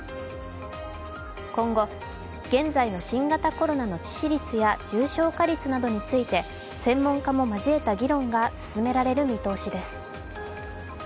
今後、現在の新型コロナの致死率や重症化率などについて専門家も交えた議論が進められる見通しです。